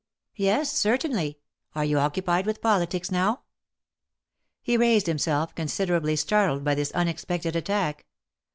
Yes, certainly. Are you occupied with politics now ?" He raised himself, considerably startled by this unex pected attack.